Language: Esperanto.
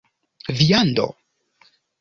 viando